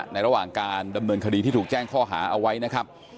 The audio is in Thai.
ระหว่างการดำเนินคดีที่ถูกแจ้งข้อหาเอาไว้นะครับ